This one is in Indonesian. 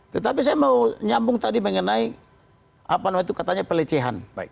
tetapi saya mau nyambung tadi mengenai katanya pelecehan